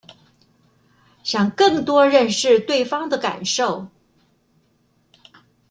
想更多認識對方的感受